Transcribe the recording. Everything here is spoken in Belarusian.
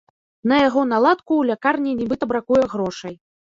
На яго наладку ў лякарні нібыта бракуе грошай.